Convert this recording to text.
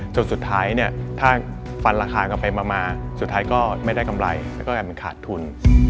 จนสุดท้ายเนี่ยถ้าฟันราคากลับไปมาสุดท้ายก็ไม่ได้กำไรแล้วก็กลายเป็นขาดทุน